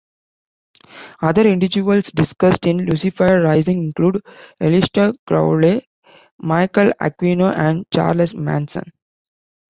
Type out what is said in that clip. Other individuals discussed in "Lucifer Rising" include Aleister Crowley, Michael Aquino, and Charles Manson.